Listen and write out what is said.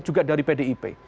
juga dari pdip